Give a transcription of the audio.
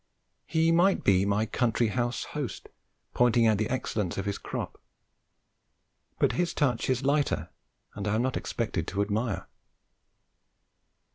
He might be my country house host pointing out the excellence of his crop, but his touch is lighter and I am not expected to admire.